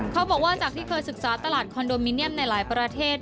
เขาบอกว่าจากที่เคยศึกษาตลาดคอนโดมิเนียมในหลายประเทศ